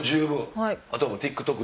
あとはＴｉｋＴｏｋ